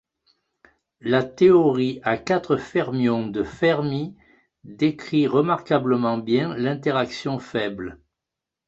La théorie à quatre fermions de Fermi décrit remarquablement bien l'interaction faible.